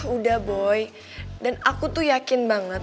udah boy dan aku tuh yakin banget